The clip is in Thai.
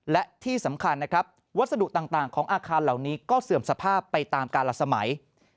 และที่สำคัญนะครับวัสดุต่างของอาคารเหล่านี้ก็เสื่อมสภาพไปตามการละสมัย